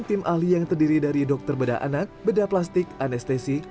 tim ahli yang terdiri dari dokter bedah anak bedah plastik anestesi